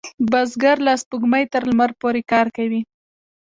بزګر له سپوږمۍ تر لمر پورې کار کوي